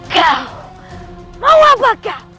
kau mau apa kak